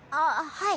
はい。